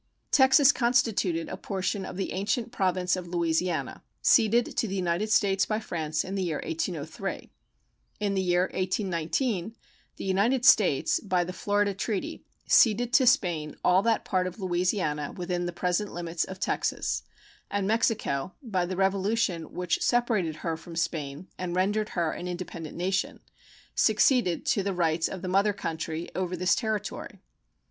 Texas constituted a portion of the ancient Province of Louisiana, ceded to the United States by France in the year 1803. In the year 1819 the United States, by the Florida treaty, ceded to Spain all that part of Louisiana within the present limits of Texas, and Mexico, by the revolution which separated her from Spain and rendered her an independent nation, succeeded to the rights of the mother country over this territory.